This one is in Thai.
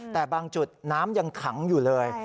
แต่บางจุดน้ำยังขังอยู่เลย